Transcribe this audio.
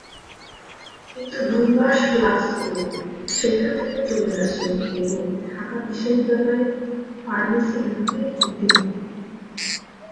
কিন্তু দুই মাস ক্লাস করে সেখান থেকে চলে আসেন এবং ঢাকা বিশ্ববিদ্যালয়ে ফার্মেসি বিভাগে ভর্তি হন।